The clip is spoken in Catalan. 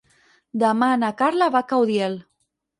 Demà na Carla va a Caudiel.